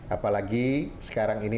apalagi sekarang ini